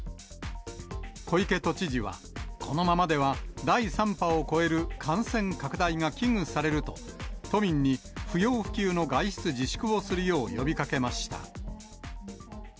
小池都知事は、このままでは第３波を超える感染拡大が危惧されると、都民に不要不急の外出自粛をするよう呼びかけました。